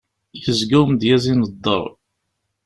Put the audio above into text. Yezga umedyaz ineddeṛ.